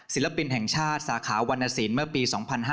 ศิลปินแห่งชาติสาขาวรรณสินเมื่อปี๒๕๕๙